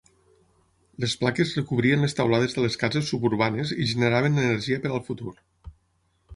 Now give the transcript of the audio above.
Les plaques recobrien les teulades de les cases suburbanes i generaven l'energia per al futur.